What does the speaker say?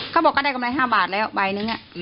เขาบอกก็ได้กำไร๕บาทแล้วใบนึง